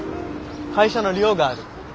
会社の寮がある。